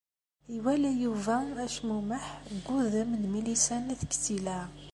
Iwala Yuba acmumeḥ deg wudem n Milisa n At Ksila.